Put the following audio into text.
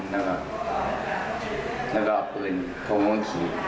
พึ่งเขากลับเอาเคาร่วงขี่